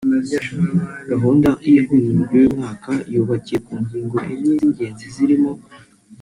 Gahunda y’ihuriro ry’uyu mwaka yubakiye ku ngingo enye z’ingengi zirimo